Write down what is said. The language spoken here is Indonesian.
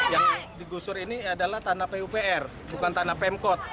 yang digusur ini adalah tanah pupr bukan tanah pemkot